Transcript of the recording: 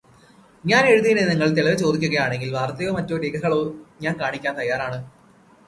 ഞാൻ എഴുതിയതിന് നിങ്ങൾ തെളീവ് ചോദിക്കുകയാണെങ്കിൽ വാർത്തയോ മറ്റു രേഖകളോ ഞാൻ കാണിക്കാൻ തയ്യാറാണ്.